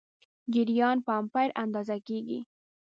جریان په امپیر اندازه کېږي.